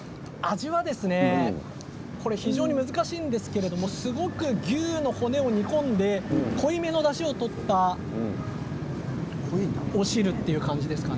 これは非常に難しいんですけれどすごく牛の骨を煮込んで濃いめのだしを取ったお汁という感じですかね。